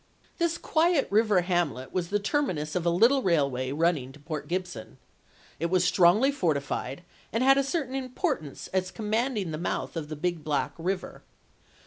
This quiet river hamlet was the terminus of a little railway running to Port Gibson. It was strongly fortified and had a certain importance as commanding the mouth of the Big Black River.